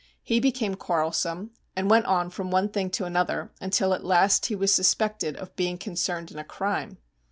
He became quarrelsome, and went on from one thing to another, until at last he was suspected of being concerned in a crime.